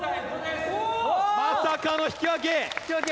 まさかの引き分け！